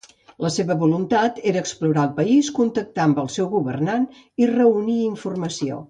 La seva voluntat era explorar el país, contactar amb el seu governant i reunir informació.